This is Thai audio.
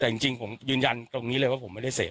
แต่จริงผมยืนยันตรงนี้เลยว่าผมไม่ได้เสพ